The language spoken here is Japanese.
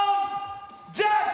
ジャッジ！